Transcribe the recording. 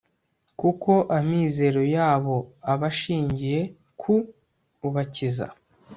kuko amizero yabo aba ashingiye ku ubakiza